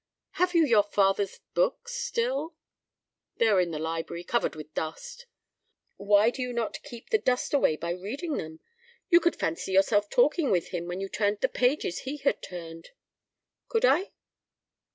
"Have you your father's books—still?" "They are in the library—covered with dust." "Why do you not keep the dust away by reading them. You could fancy yourself talking with him when you turned the pages he had turned." "Could I?"